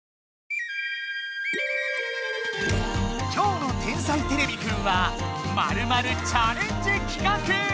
今日の「天才てれびくん」はまるまるチャレンジ企画！